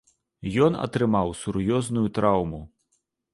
Ён атрымаў сур'ёзную траўму.